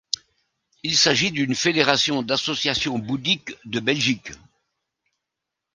Il s'agit d'une fédération d'associations bouddhiques de Belgique.